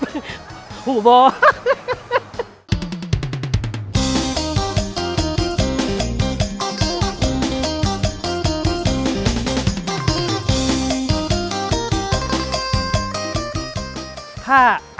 อาหารอีสานเนี่ยมีปลาร้าก็เหมือนเกาหลีไม่มีกิมจิอะใช่ไหม